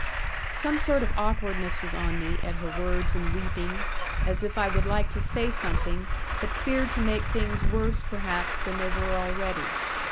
Some sort of awkwardness was on me, at her words and weeping, as if I would like to say something, but feared to make things worse perhaps than they were already.